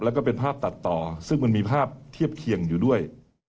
แล้วก็เป็นภาพตัดต่อซึ่งมันมีภาพเทียบเคียงอยู่ด้วย